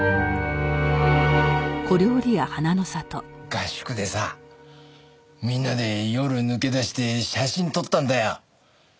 合宿でさみんなで夜抜け出して写真撮ったんだよ。